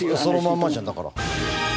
そのまんまじゃんだから。